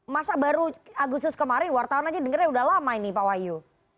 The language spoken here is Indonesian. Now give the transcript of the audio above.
masa baru agustus kemarin wartawan aja dengarnya udah lama ini pak wahyu